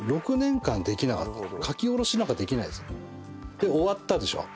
で終わったでしょ。